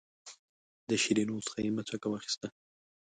د شیرینو څخه یې مچه واخیسته.